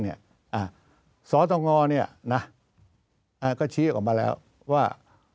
ประชาติโตเตาะงอก็ชี้ออกมาแล้วว่า